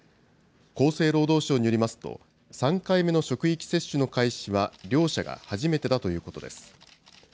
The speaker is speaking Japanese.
厚生労働省によりますと、３回目の職域接種の開始は両社が初めてだということです。